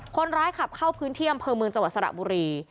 คนร้ายขับเข้าพื้นที่อำเภอเมืองจังหวัดสระบุรี